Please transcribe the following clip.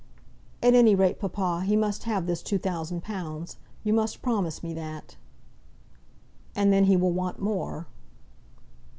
"At any rate, papa, he must have this two thousand pounds. You must promise me that." "And then he will want more."